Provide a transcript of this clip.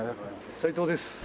斎藤です。